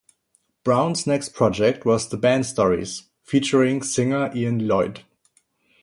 Brown's next project was the band Stories, featuring singer Ian Lloyd.